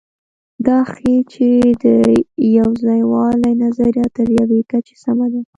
دا ښيي، چې د یوځایوالي نظریه تر یوې کچې سمه ده.